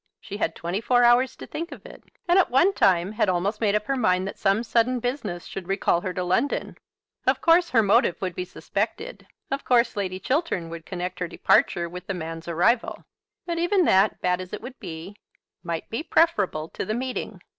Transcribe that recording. She had twenty four hours to think of it, and at one time had almost made up her mind that some sudden business should recall her to London. Of course, her motive would be suspected. Of course Lady Chiltern would connect her departure with the man's arrival. But even that, bad as it would be, might be preferable to the meeting!